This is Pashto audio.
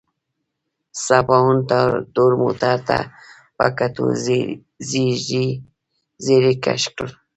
سباوون تور موټر ته په کتو ږيرې کش کړ.